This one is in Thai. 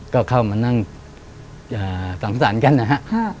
ก็เข้ามานั่งสังสรรค์กันนะฮะ